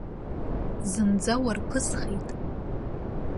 Зынӡа уарԥысхеит.